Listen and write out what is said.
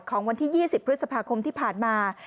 ของวันที่๒๐พฤษภาคมที่ผ่านมา